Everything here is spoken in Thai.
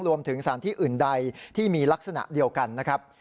รวมถึงสารที่อื่นใดที่มีลักษณะเดียวกันนะครับ